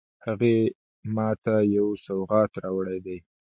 هغې ما ته یو سوغات راوړی ده